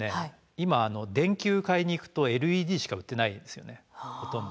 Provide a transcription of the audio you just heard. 今電球買いに行くとＬＥＤしか売ってないんですよねほとんど。